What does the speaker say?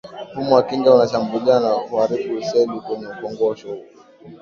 mfumo wa kinga unashambulia na huharibu seli kwenye kongosho